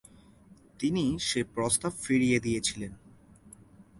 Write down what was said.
তিনি সে প্রস্তাব ফিরিয়ে দিয়েছিলেন।